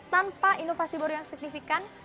tanpa inovasi baru yang signifikan